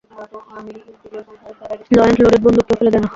লয়েন্ড, loaded বন্দুক কেউ ফেলে দেয় না।